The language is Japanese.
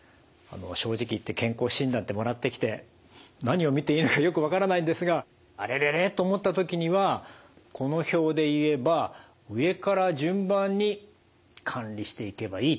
正直言って健康診断ってもらってきて何を見ていいのかよく分からないんですが「あれれれ？」と思った時にはこの表で言えば上から順番に管理していけばいいっていうことですね。